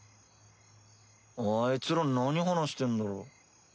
あいつら何話してんだろ？